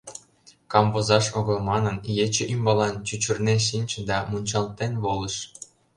Камвозаш огыл манын, ече ӱмбалан чӱчырнен шинче да мунчалтен волыш.